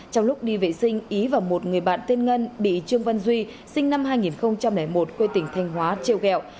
trong lúc đi vệ sinh ý và một người bạn tên ngân bị trương văn duy sinh năm hai nghìn một quê tỉnh thanh hóa treo gẹo